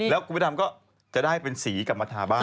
แล้วกูไปทำก็จะได้เป็นสีกลับมาทาบ้าง